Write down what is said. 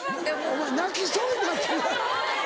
お前泣きそうになってる。